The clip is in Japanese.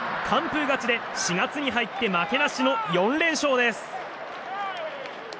完封勝ちで４月に入って負けなしの４連勝です。